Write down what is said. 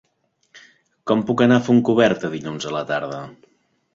Com puc anar a Fontcoberta dilluns a la tarda?